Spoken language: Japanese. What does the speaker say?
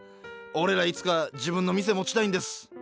おれらいつか自分の店持ちたいんです。